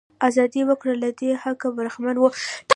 ازاد وګړي له دې حقه برخمن وو.